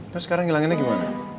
terus sekarang ngilanginnya gimana